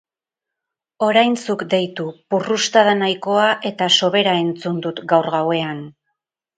Orain zuk deitu, purrustada nahikoa eta sobera entzun dut gaur gauean.